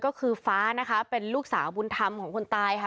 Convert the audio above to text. ก็คือฟ้านะคะเป็นลูกสาวบุญธรรมของคนตายค่ะ